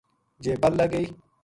جے پل لگ گئی